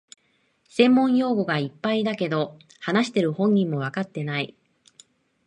専門用語がいっぱいだけど、話してる本人もわかってない